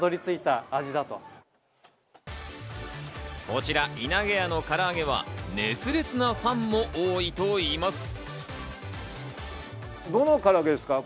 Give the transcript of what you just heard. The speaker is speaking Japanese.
こちら、いなげやの唐揚げは熱烈なファンも多いといいます。